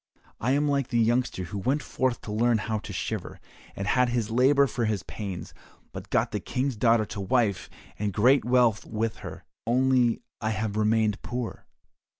I am like the youngster who went forth to learn how to shiver, and had his labour for his pains, but got the King's daughter to wife and great wealth with her, only I have remained poor.